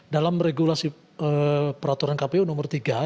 dalam regulasi peraturan kpu nomor tiga